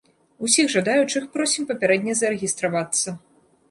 Усіх жадаючых просім папярэдне зарэгістравацца.